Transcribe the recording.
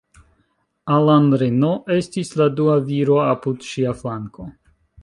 Alan Reno estis la dua viro apud ŝia flanko.